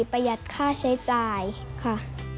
ประหยัดค่าใช้จ่ายค่ะ